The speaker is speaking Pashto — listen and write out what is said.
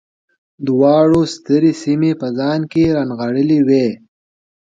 دواړو سترې سیمې په ځان کې رانغاړلې وې